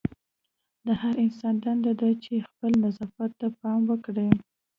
د هر انسان دنده ده چې خپل نظافت ته پام وکړي.